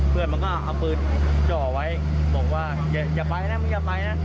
มันก็เอาปืนจ่อไว้บอกว่าอย่าไปนะมึงอย่าไปนะ